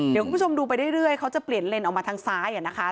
เดี๋ยวคุณผู้ชมดูไปเรื่อยเขาจะเปลี่ยนเลนส์ออกมาทางซ้ายนะคะ